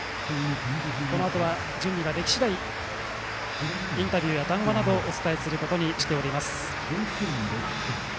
このあと準備ができ次第インタビューや談話などをお伝えすることにしています。